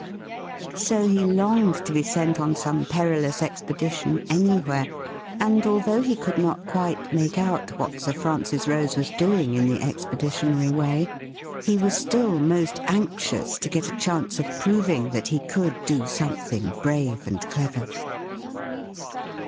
So he longed to be sent on some perilous expedi 10 146 THE REDDLE RING tion anywhere, and although he could not quite make out what Sir Francis Rose was doing in the expeditionary way, he was still most anxious to get a chance of proving that he could do something brave and clever.